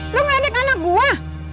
lu ngedik anak gue